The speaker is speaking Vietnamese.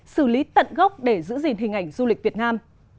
xử lý tận gốc để giữ gìn hình ảnh du lịch việt nam